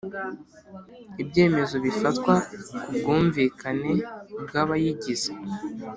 Ibyemezo bifatwa ku bwumvikane bw’abayigize.